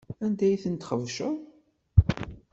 Anda ay ten-txebceḍ?